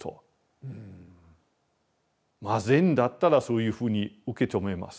まあ禅だったらそういうふうに受け止めますね。